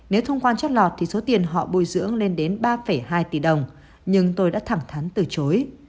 nếu thông quan trắt lọt thì số tiền họ bồi dưỡng lên đến ba hai tỷ đồng nhưng tôi đã thẳng thắn từ chối